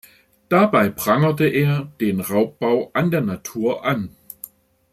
Dabei prangert er den Raubbau an der Natur an.